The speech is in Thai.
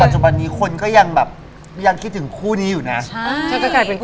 เธอก็กลายเป็นผู้จิ้มไป